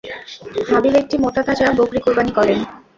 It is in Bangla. হাবীল একটি মোটা-তাজা বকরী কুরবানী করেন।